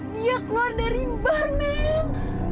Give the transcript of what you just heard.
dia keluar dari bar men